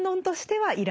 はい。